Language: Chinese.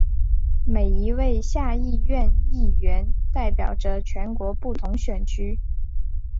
每一位下议院议员代表着全国不同选区。